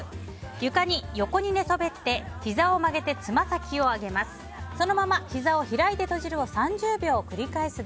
床に横に寝そべってひざを曲げてつま先を上げます。